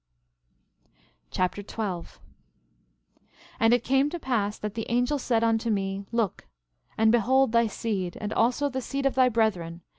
1 Nephi Chapter 12 12:1 And it came to pass that the angel said unto me: Look, and behold thy seed, and also the seed of thy brethren.